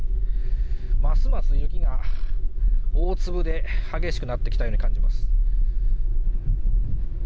ますます雪が大粒で激しくなってきたように感じます。